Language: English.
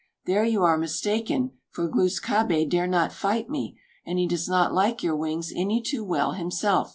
"There you are mistaken; for Glūs kābé dare not fight me, and he does not like your wings any too well himself.